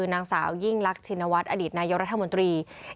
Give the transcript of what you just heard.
นางสาวยิ่งรักชินวัฒน์อดีตนายกรัฐมนตรี